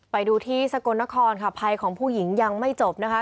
ไปดูที่สกลนครค่ะภัยของผู้หญิงยังไม่จบนะคะ